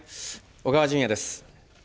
小川淳也です。